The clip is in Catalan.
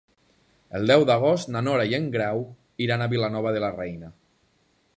El deu d'agost na Nora i en Grau iran a Vilanova de la Reina.